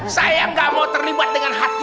saya gak mau terlibat dengan hati